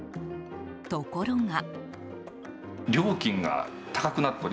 ところが。